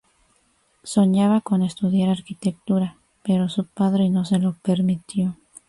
Soñaba con estudiar arquitectura, pero su padre no se lo permitió.